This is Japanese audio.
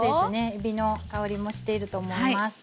えびの香りもしていると思います。